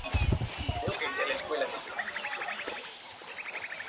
Desde la implosión del estadio el campeonato estatal se trasladó al Tacoma Dome.